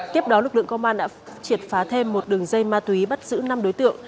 tiếp đó lực lượng công an đã triệt phá thêm một đường dây ma túy bắt giữ năm đối tượng